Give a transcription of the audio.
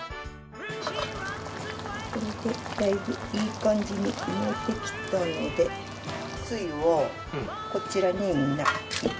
これでだいぶいい感じに煮えてきたのでつゆをこちらに。